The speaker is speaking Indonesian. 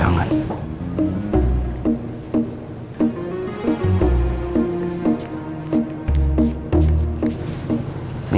nenek mau nikah